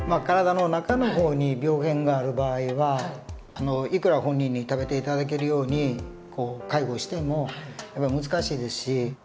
体の中の方に病原がある場合はいくら本人に食べて頂けるように介護してもやっぱり難しいですし。